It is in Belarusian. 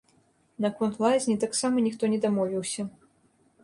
Наконт лазні таксама ніхто не дамовіўся.